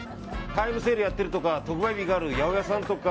タイムセールやってるとか特売日がある八百屋さんとか。